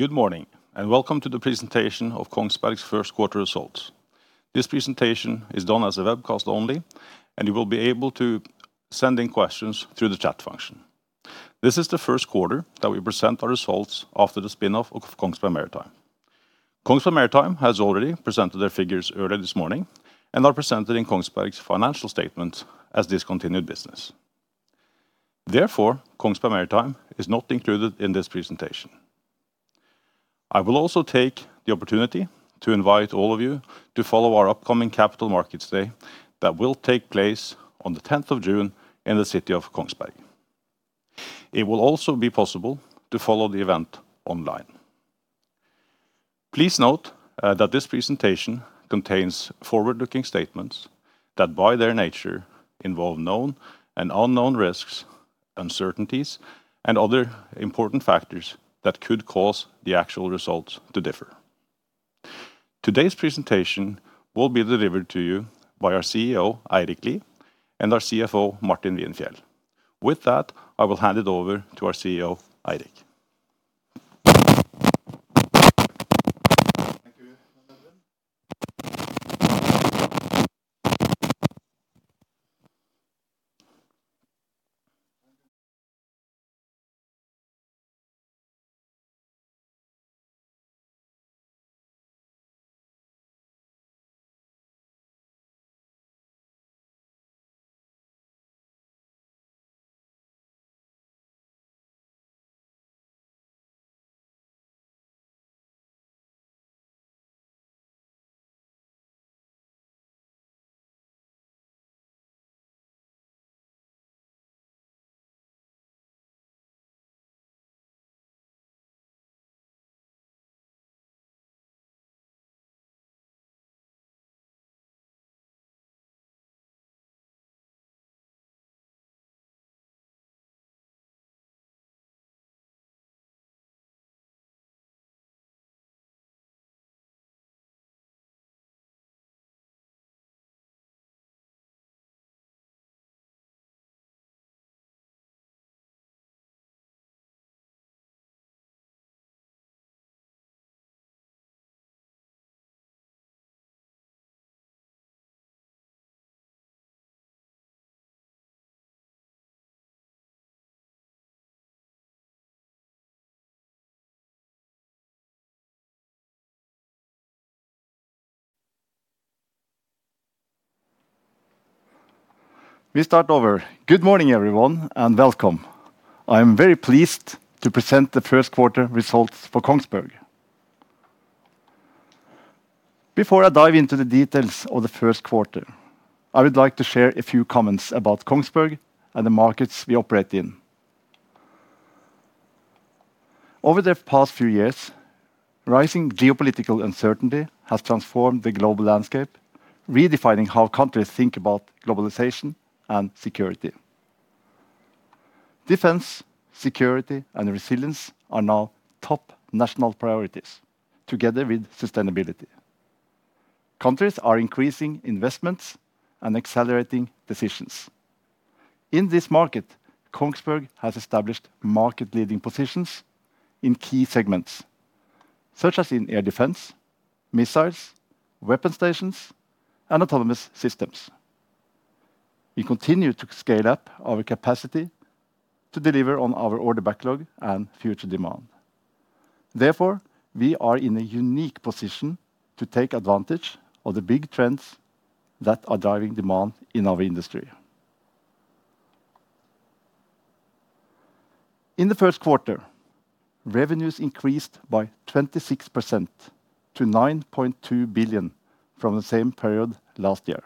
Good morning, welcome to the presentation of Kongsberg's first quarter results. This presentation is done as a webcast only, and you will be able to send in questions through the chat function. This is the first quarter that we present our results after the spin-off of Kongsberg Maritime. Kongsberg Maritime has already presented their figures earlier this morning, and are presented in Kongsberg's financial statement as discontinued business. Therefore, Kongsberg Maritime is not included in this presentation. I will also take the opportunity to invite all of you to follow our upcoming Capital Markets Day that will take place on the 10th of June in the city of Kongsberg. It will also be possible to follow the event online. Please note that this presentation contains forward-looking statements that, by their nature, involve known and unknown risks, uncertainties, and other important factors that could cause the actual results to differ. Today's presentation will be delivered to you by our CEO, Eirik Lie, and our CFO, Martin Wien Fjell. With that, I will hand it over to our CEO, Eirik. Thank you. We start over. Good morning, everyone, and welcome. I am very pleased to present the first quarter results for Kongsberg. Before I dive into the details of the first quarter, I would like to share a few comments about Kongsberg and the markets we operate in. Over the past few years, rising geopolitical uncertainty has transformed the global landscape, redefining how countries think about globalization and security. Defense, security, and resilience are now top national priorities together with sustainability. Countries are increasing investments and accelerating decisions. In this market, Kongsberg has established market-leading positions in key segments such as in air defense, missiles, weapon stations, and autonomous systems. We continue to scale up our capacity to deliver on our order backlog and future demand. Therefore, we are in a unique position to take advantage of the big trends that are driving demand in our industry. In the first quarter, revenues increased by 26% to 9.2 billion from the same period last year.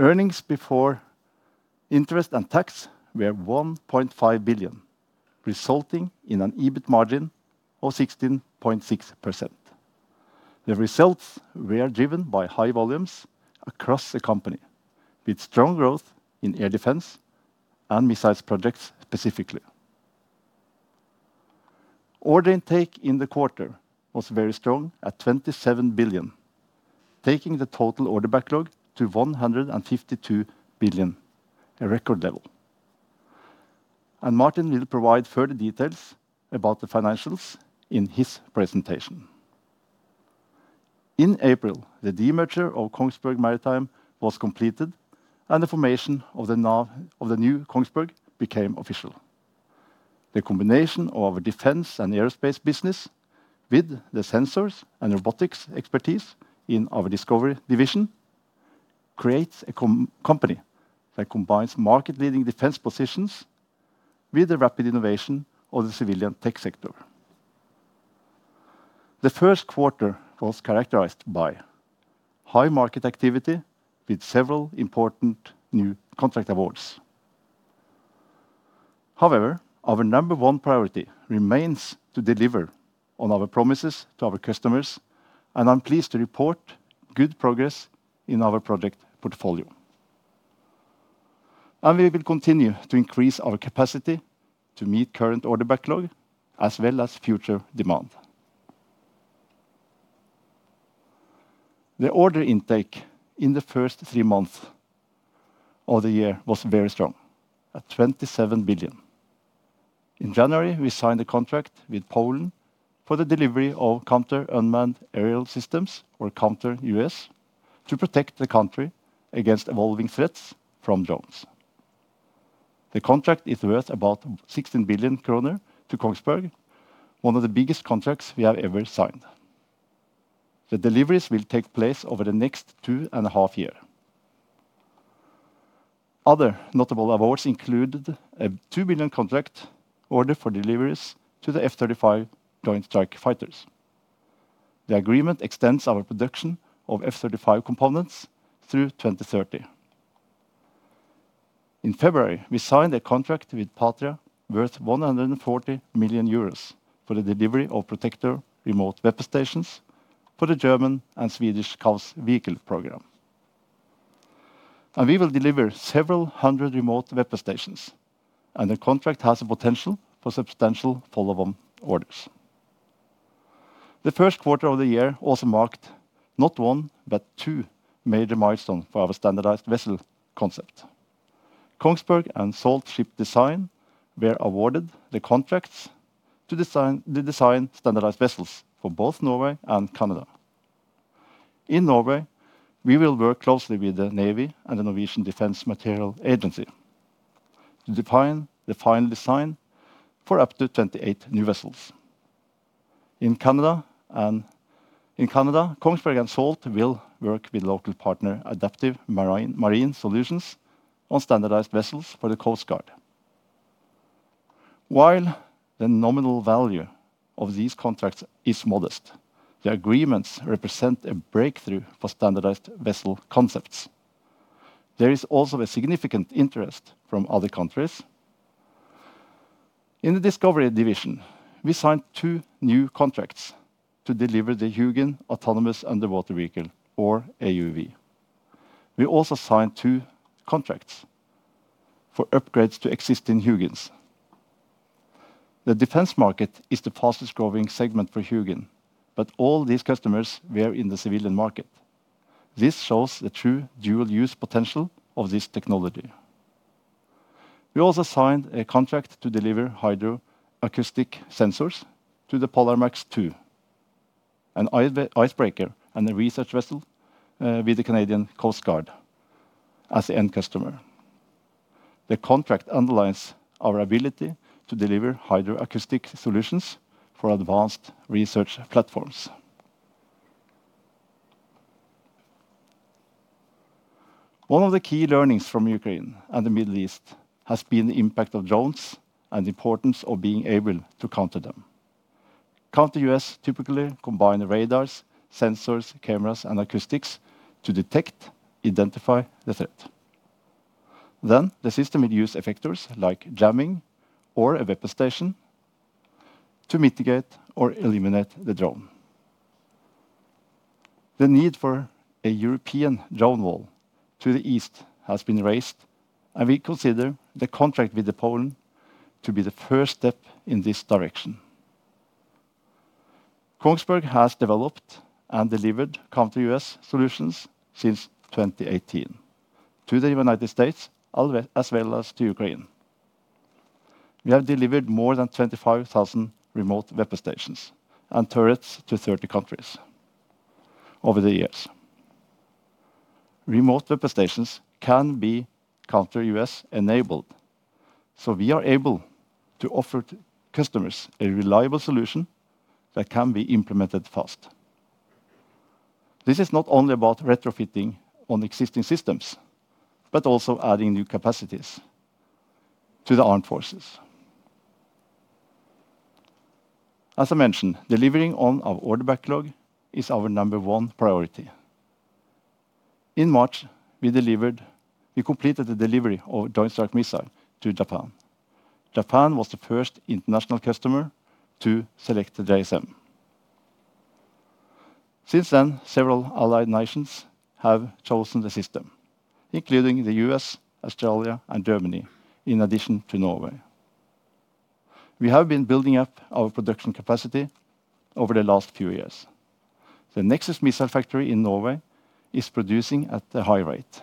Earnings before interest and tax were 1.5 billion, resulting in an EBIT margin of 16.6%. The results were driven by high volumes across the company, with strong growth in air defense and missiles projects specifically. Order intake in the quarter was very strong at 27 billion, taking the total order backlog to 152 billion, a record level. Martin will provide further details about the financials in his presentation. In April, the demerger of Kongsberg Maritime was completed, and the formation of the new Kongsberg became official. The combination of our defense and aerospace business with the sensors and robotics expertise in our Discovery division creates a company that combines market-leading defense positions with the rapid innovation of the civilian tech sector. The first quarter was characterized by high market activity with several important new contract awards. However, our number one priority remains to deliver on our promises to our customers, and I'm pleased to report good progress in our project portfolio. We will continue to increase our capacity to meet current order backlog as well as future demand. The order intake in the first three months of the year was very strong, at 27 billion. In January, we signed a contract with Poland for the delivery of counter-unmanned aerial systems, or Counter-UAS, to protect the country against evolving threats from drones. The contract is worth about 16 billion kroner to Kongsberg, one of the biggest contracts we have ever signed. The deliveries will take place over the next 2.5 years. Other notable awards included a 2 billion contract order for deliveries to the F-35 Joint Strike Fighters. The agreement extends our production of F-35 components through 2030. In February, we signed a contract with Patria worth 140 million euros for the delivery of PROTECTOR remote weapon stations for the German and Swedish CAVS vehicle program. We will deliver several hundred remote weapon stations. The contract has the potential for substantial follow-on orders. The first quarter of the year also marked not one but two major milestones for our standardized vessel concept. Kongsberg and Salt Ship Design were awarded the contracts to design standardized vessels for both Norway and Canada. In Norway, we will work closely with the Navy and the Norwegian Defence Materiel Agency to define the final design for up to 28 new vessels. In Canada, Kongsberg and Salt will work with local partner Adaptive Marine Solutions on standardized vessels for the Coast Guard. While the nominal value of these contracts is modest, the agreements represent a breakthrough for standardized vessel concepts. There is also a significant interest from other countries. In the Discovery division, we signed two new contracts to deliver the HUGIN autonomous underwater vehicle, or AUV. We also signed two contracts for upgrades to existing HUGINs. The defense market is the fastest-growing segment for HUGIN, but all these customers were in the civilian market. This shows the true dual use potential of this technology. We also signed a contract to deliver hydroacoustic sensors to the Polarstern II, an icebreaker and a research vessel, with the Canadian Coast Guard as the end customer. The contract underlines our ability to deliver hydroacoustic solutions for advanced research platforms. One of the key learnings from Ukraine and the Middle East has been the impact of drones and the importance of being able to counter them. Counter-UAS typically combine radars, sensors, cameras and acoustics to detect, identify the threat. The system will use effectors like jamming or a weapon station to mitigate or eliminate the drone. The need for a European drone wall to the East has been raised, and we consider the contract with Poland to be the first step in this direction. Kongsberg has developed and delivered Counter-UAS solutions since 2018 to the United States, as well as to Ukraine. We have delivered more than 25,000 remote weapon stations and turrets to 30 countries over the years. Remote weapon stations can be Counter-UAS enabled, so we are able to offer customers a reliable solution that can be implemented fast. This is not only about retrofitting on existing systems, but also adding new capacities to the armed forces. As I mentioned, delivering on our order backlog is our number one priority. In March, we completed the delivery of Joint Strike Missile to Japan. Japan was the first international customer to select the JSM. Since then, several allied nations have chosen the system, including the U.S., Australia and Germany, in addition to Norway. We have been building up our production capacity over the last few years. The Nexus missile factory in Norway is producing at a high rate.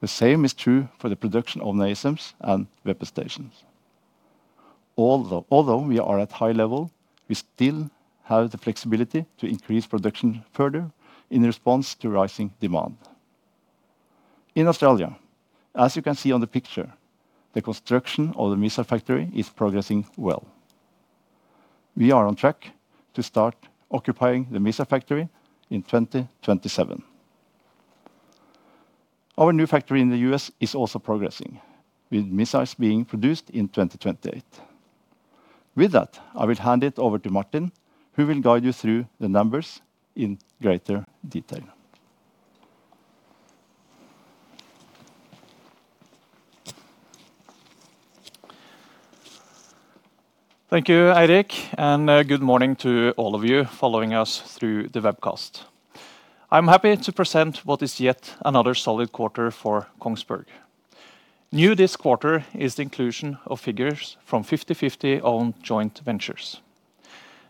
The same is true for the production of NASAMS and weapon stations. Although we are at high level, we still have the flexibility to increase production further in response to rising demand. In Australia, as you can see on the picture, the construction of the missile factory is progressing well. We are on track to start occupying the missile factory in 2027. Our new factory in the U.S. is also progressing, with missiles being produced in 2028. With that, I will hand it over to Martin, who will guide you through the numbers in greater detail. Thank you, Eirik, and good morning to all of you following us through the webcast. I'm happy to present what is yet another solid quarter for Kongsberg. New this quarter is the inclusion of figures from 50/50 owned joint ventures.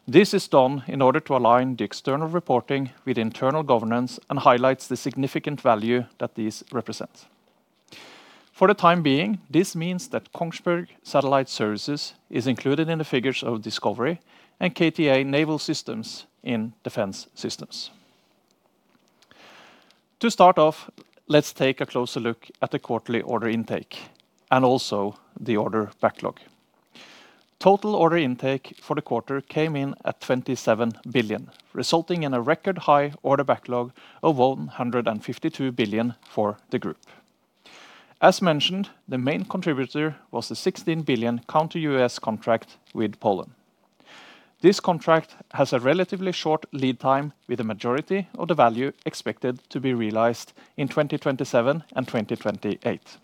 This is done in order to align the external reporting with internal governance and highlights the significant value that these represent. For the time being, this means that Kongsberg Satellite Services is included in the figures of Discovery and kta Naval Systems in Defense Systems. To start off, let's take a closer look at the quarterly order intake and also the order backlog. Total order intake for the quarter came in at 27 billion, resulting in a record high order backlog of 152 billion for the group. As mentioned, the main contributor was the 16 billion Counter-UAS contract with Poland. This contract has a relatively short lead time with the majority of the value expected to be realized in 2027 and 2028.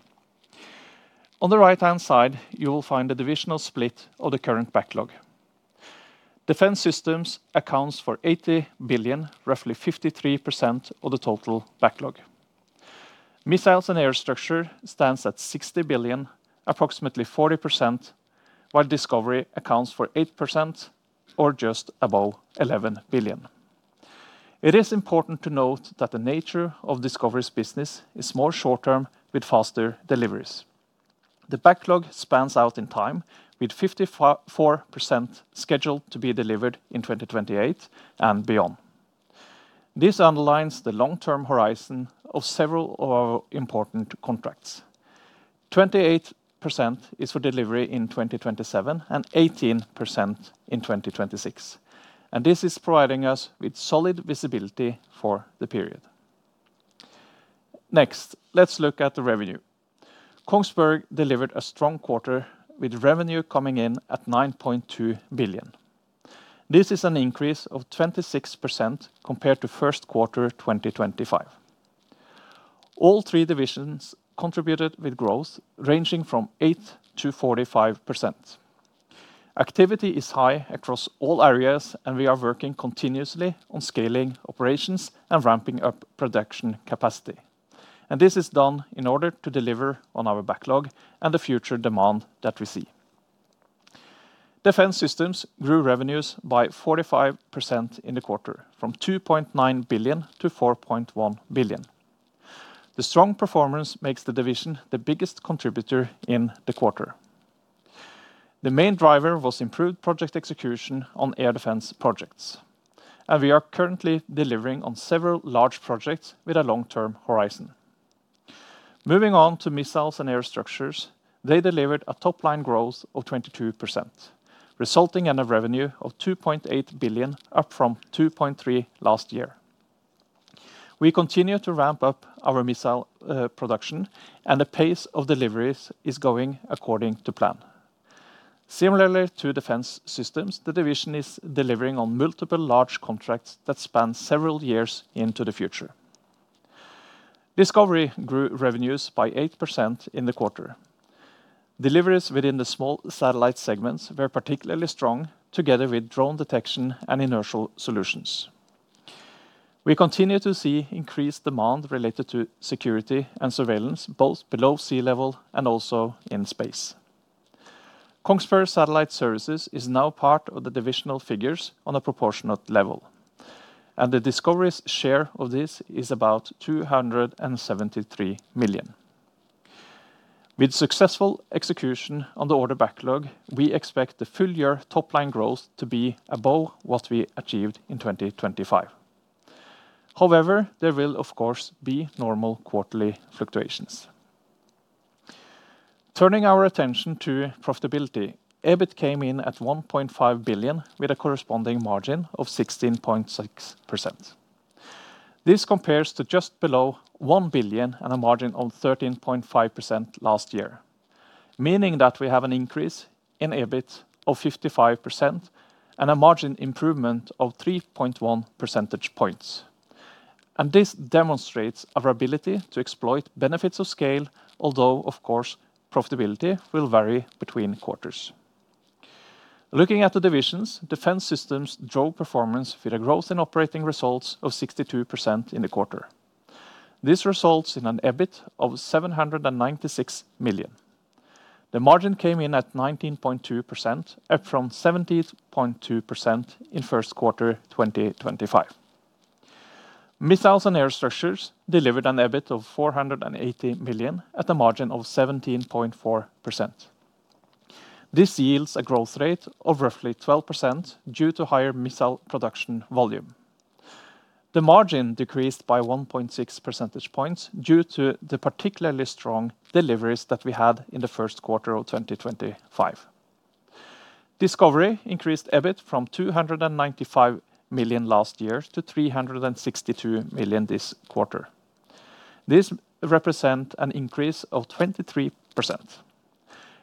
On the right-hand side, you will find the divisional split of the current backlog. Defense Systems accounts for 80 billion, roughly 53% of the total backlog. Missiles & Aerostructures stands at 60 billion, approximately 40%, while Discovery accounts for 8% or just above 11 billion. It is important to note that the nature of Discovery's business is more short-term with faster deliveries. The backlog spans out in time with 54% scheduled to be delivered in 2028 and beyond. This underlines the long-term horizon of several of our important contracts. 28% is for delivery in 2027 and 18% in 2026, this is providing us with solid visibility for the period. Next, let's look at the revenue. Kongsberg delivered a strong quarter with revenue coming in at 9.2 billion. This is an increase of 26% compared to first quarter 2025. All three divisions contributed with growth ranging from 8%-45%. Activity is high across all areas, and we are working continuously on scaling operations and ramping up production capacity, and this is done in order to deliver on our backlog and the future demand that we see. Defense Systems grew revenues by 45% in the quarter from 2.9 billion-4.1 billion. The strong performance makes the division the biggest contributor in the quarter. The main driver was improved project execution on air defense projects, and we are currently delivering on several large projects with a long-term horizon. Moving on to Missiles & Aerostructures, they delivered a top-line growth of 22%, resulting in a revenue of 2.8 billion up from 2.3 billion last year. We continue to ramp up our missile production, and the pace of deliveries is going according to plan. Similarly to Defense Systems, the division is delivering on multiple large contracts that span several years into the future. Discovery grew revenues by 8% in the quarter. Deliveries within the small satellite segments were particularly strong, together with drone detection and inertial solutions. We continue to see increased demand related to security and surveillance, both below sea level and also in space. Kongsberg Satellite Services is now part of the divisional figures on a proportionate level, and the Discovery's share of this is about 273 million. With successful execution on the order backlog, we expect the full-year top-line growth to be above what we achieved in 2025. There will of course be normal quarterly fluctuations. Turning our attention to profitability, EBIT came in at 1.5 billion with a corresponding margin of 16.6%. This compares to just below 1 billion and a margin of 13.5% last year, meaning that we have an increase in EBIT of 55% and a margin improvement of 3.1 percentage points. This demonstrates our ability to exploit benefits of scale, although of course profitability will vary between quarters. Looking at the divisions, Defense Systems drove performance with a growth in operating results of 62% in the quarter. This results in an EBIT of 796 million. The margin came in at 19.2% up from 17.2% in first quarter 2025. Missiles & Aerostructures delivered an EBIT of 480 million at a margin of 17.4%. This yields a growth rate of roughly 12% due to higher missile production volume. The margin decreased by 1.6 percentage points due to the particularly strong deliveries that we had in the first quarter of 2025. Discovery increased EBIT from 295 million last year to 362 million this quarter. This represent an increase of 23%.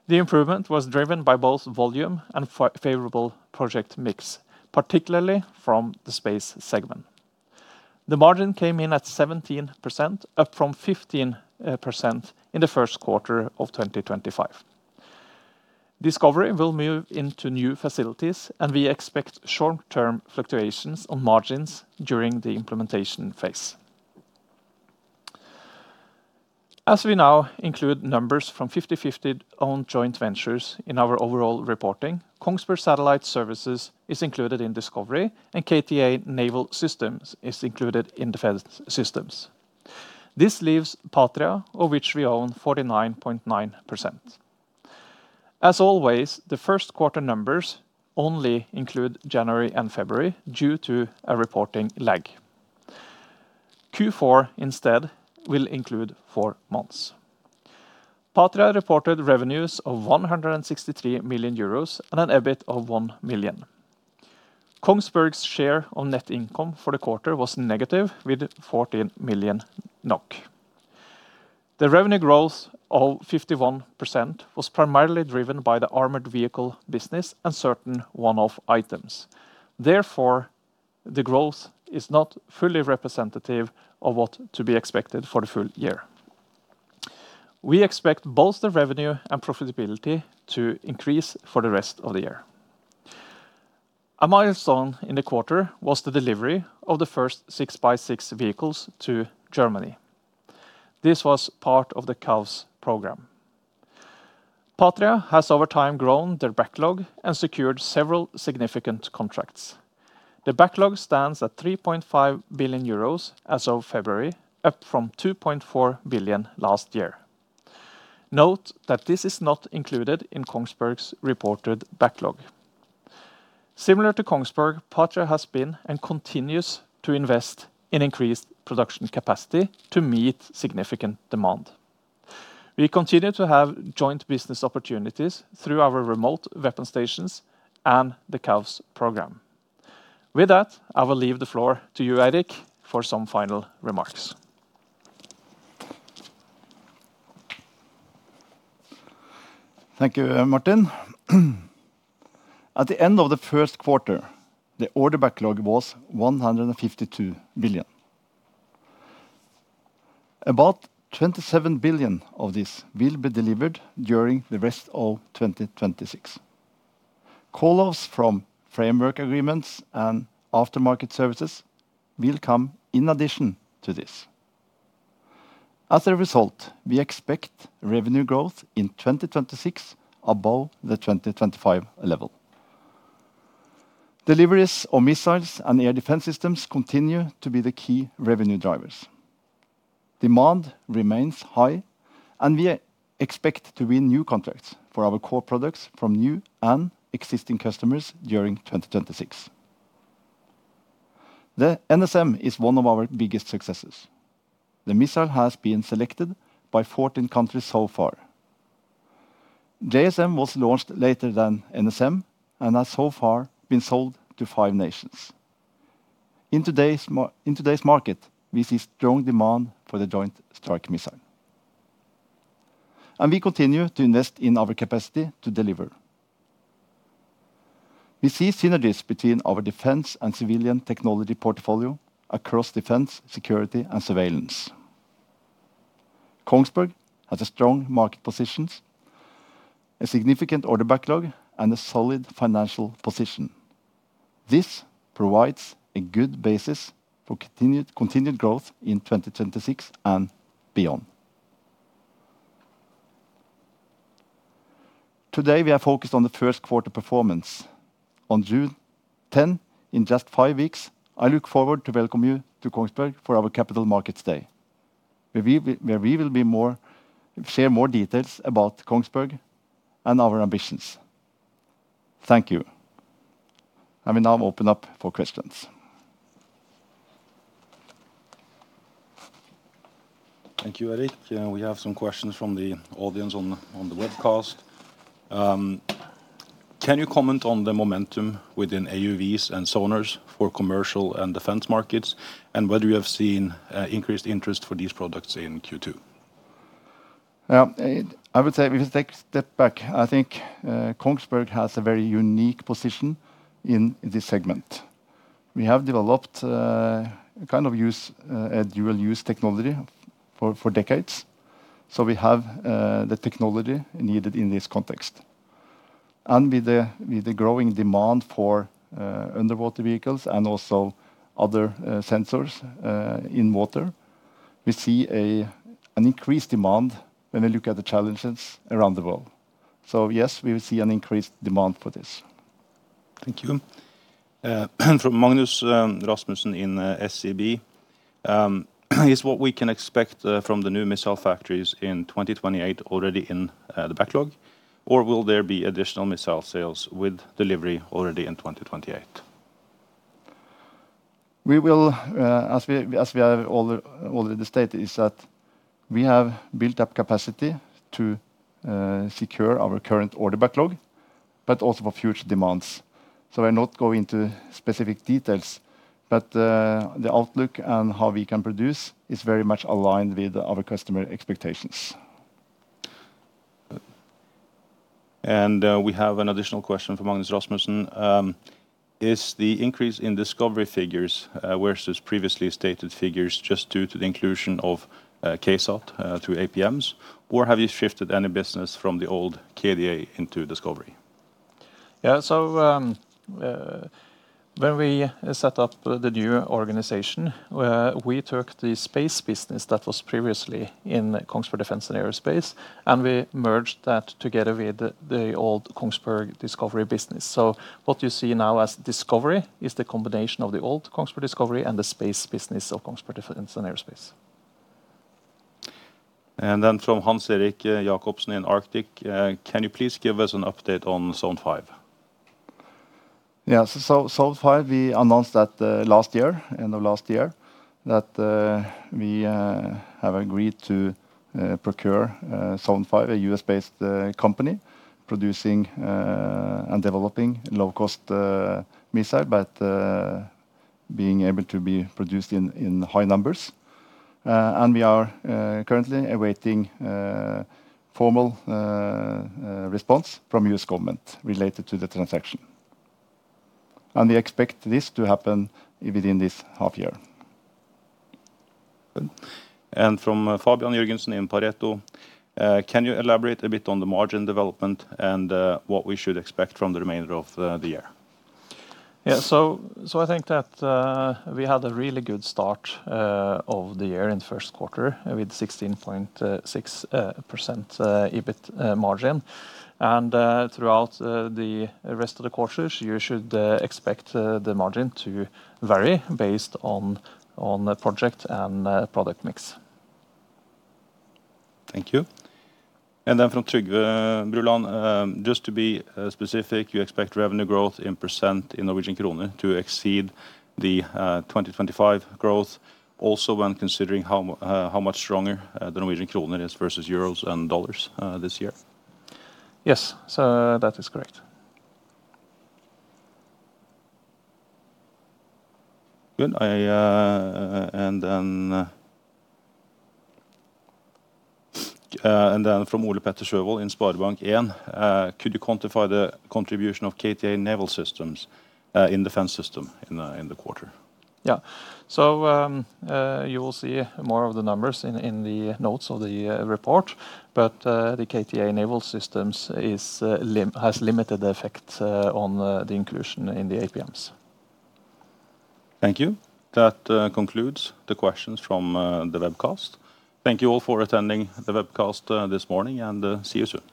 The improvement was driven by both volume and favorable project mix, particularly from the space segment. The margin came in at 17% up from 15% in the first quarter of 2025. Discovery will move into new facilities, and we expect short-term fluctuations on margins during the implementation phase. As we now include numbers from 50/50 owned joint ventures in our overall reporting, Kongsberg Satellite Services is included in Discovery and kta Naval Systems is included in Defense Systems. This leaves Patria, of which we own 49.9%. As always, the first quarter numbers only include January and February due to a reporting lag. Q4 instead will include four months. Patria reported revenues of 163 million euros and an EBIT of 1 million. Kongsberg's share of net income for the quarter was negative with 14 million NOK. The revenue growth of 51% was primarily driven by the armored vehicle business and certain one-off items. Therefore, the growth is not fully representative of what to be expected for the full year. We expect both the revenue and profitability to increase for the rest of the year. A milestone in the quarter was the delivery of the first 6x6 vehicles to Germany. This was part of the CAVS program. Patria has over time grown their backlog and secured several significant contracts. The backlog stands at 3.5 billion euros as of February, up from 2.4 billion last year. Note that this is not included in Kongsberg's reported backlog. Similar to Kongsberg, Patria has been and continues to invest in increased production capacity to meet significant demand. We continue to have joint business opportunities through our remote weapon stations and the CAVS program. With that, I will leave the floor to you, Eirik, for some final remarks. Thank you, Martin. At the end of the first quarter, the order backlog was 152 billion. About 27 billion of this will be delivered during the rest of 2026. Call-offs from framework agreements and aftermarket services will come in addition to this. As a result, we expect revenue growth in 2026 above the 2025 level. Deliveries of missiles and air defense systems continue to be the key revenue drivers. Demand remains high, and we expect to win new contracts for our core products from new and existing customers during 2026. The NSM is one of our biggest successes. The missile has been selected by 14 countries so far. JSM was launched later than NSM and has so far been sold to five nations. In today's market, we see strong demand for the Joint Strike Missile. We continue to invest in our capacity to deliver. We see synergies between our defense and civilian technology portfolio across defense, security, and surveillance. Kongsberg has a strong market positions, a significant order backlog, and a solid financial position. This provides a good basis for continued growth in 2026 and beyond. Today, we are focused on the first quarter performance. On June 10, in just five weeks, I look forward to welcome you to Kongsberg for our Capital Markets Day, where we will share more details about Kongsberg and our ambitions. Thank you. I will now open up for questions. Thank you, Eirik. We have some questions from the audience on the webcast. Can you comment on the momentum within AUVs and sonars for commercial and defense markets and whether you have seen increased interest for these products in Q2? Yeah, I would say if you take a step back, I think Kongsberg has a very unique position in this segment. We have developed a kind of use, a dual use technology for decades, so we have the technology needed in this context. With the growing demand for underwater vehicles and also other sensors in water, we see an increased demand when we look at the challenges around the world. Yes, we will see an increased demand for this. Thank you. From Magnus Rasmussen in SEB, is what we can expect from the new missile factories in 2028 already in the backlog, or will there be additional missile sales with delivery already in 2028? We will, as we have already stated, is that we have built up capacity to secure our current order backlog but also for future demands. I'll not go into specific details, but the outlook and how we can produce is very much aligned with our customer expectations. We have an additional question from Magnus Rasmussen. Is the increase in Discovery figures versus previously stated figures just due to the inclusion of KSAT through APMs, or have you shifted any business from the old KDA into Discovery? Yeah. When we set up the new organization, we took the space business that was previously in Kongsberg Defence & Aerospace, and we merged that together with the old Kongsberg Discovery business. What you see now as Discovery is the combination of the old Kongsberg Discovery and the space business of Kongsberg Defence & Aerospace. From Hans-Erik Jacobsen in Arctic, can you please give us an update on Zone 5? Yeah. Zone 5, we announced that last year, end of last year, that we have agreed to procure Zone 5, a U.S.-based company producing and developing low-cost missile, but being able to be produced in high numbers. We are currently awaiting formal response from U.S. government related to the transaction, and we expect this to happen within this half year. Good. From Fabian Jørgensen in Pareto, "Can you elaborate a bit on the margin development and what we should expect from the remainder of the year? Yeah. I think that we had a really good start of the year in first quarter with 16.6% EBIT margin. Throughout the rest of the quarters, you should expect the margin to vary based on the project and product mix. Thank you. From Trygve Bruland, "Just to be specific, you expect revenue growth in percent in Norwegian krone to exceed the 2025 growth also when considering how much stronger the Norwegian krone is versus euros and dollars this year? Yes. That is correct. Good. From Ole-Petter Sjøvold in SpareBank 1, "Could you quantify the contribution of kta Naval Systems in Defense System in the quarter? Yeah. You will see more of the numbers in the notes of the report, but the kta Naval Systems has limited effect on the inclusion in the APMs. Thank you. That concludes the questions from the webcast. Thank you all for attending the webcast this morning, and see you soon.